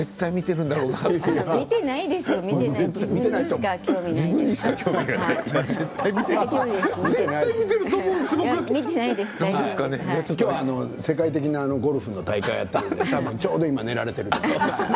絶対見ているんだろうな見てないですよ、自分に今日は世界的なゴルフの大会をやられてるのでちょうど今日、寝られていると思います。